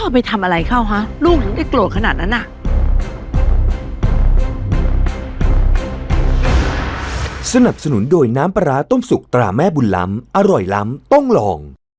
พ่อพ่อไปทำอะไรข้าวฮะลูกลูกได้โกรธขนาดนั้นน่ะ